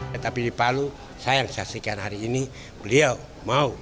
kita pilih palu saya yang saksikan hari ini beliau mau